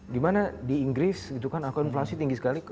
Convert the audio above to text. di mana di inggris aku info inflasi tinggi sekali